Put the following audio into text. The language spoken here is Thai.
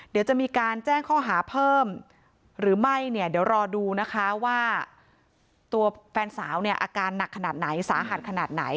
เดี๋ยวจะมีการแจ้งข้อหาเพิ่มหรือไม่เนี่ยเดี๋ยวรอดูนะคะว่าตัวแฟนสาวเนี่ยอาการหนักขนาดไหนสาหัสขนาดไหน